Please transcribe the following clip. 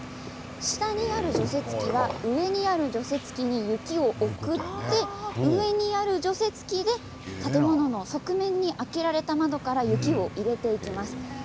下の除雪機が上の除雪機へ雪を送って上にある除雪機で建物の側面に開けられた窓から雪を入れていきます。